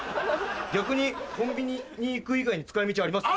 逆にコンビニに行く以外に使い道あります？